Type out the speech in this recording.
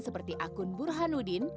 seperti akun burhanuddin